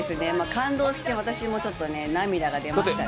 感動して私もちょっと涙が出ましたね。